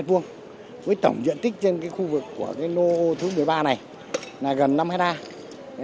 với tổng diện tích trên khu vực của cái lô thứ một mươi ba này là gần năm hectare